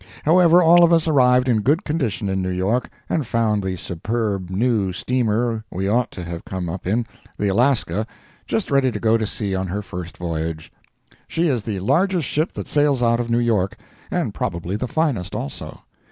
However, all of us arrived in good condition in New York, and found the superb new steamer we ought to have come up in, the Alaska, just ready to go to sea on her first voyage. She is the largest ship that sails out of New York, and probably the finest, also.